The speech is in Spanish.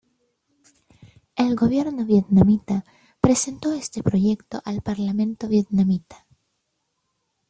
El gobierno vietnamita presentó este proyecto al Parlamento vietnamita.